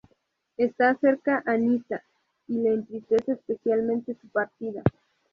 Está cercana a Nyssa, y le entristece especialmente su partida.